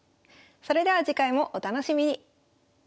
それでは次回もお楽しみに。